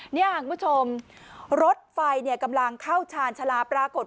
เนี่ยคุณผู้ชมรถไฟกำลังเข้าชาญชาลาปรากฏ